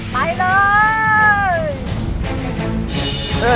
ไปเลย